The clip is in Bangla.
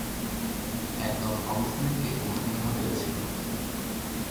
একদল অমুসলিম কে বন্দী করা হয়েছিল।